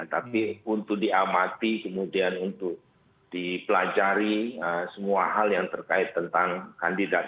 tapi untuk diamati kemudian untuk dipelajari semua hal yang terkait tentang kandidat